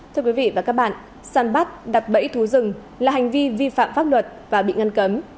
thưa quý vị và các bạn săn bắt đập bẫy thú rừng là hành vi vi phạm pháp luật và bị ngăn cấm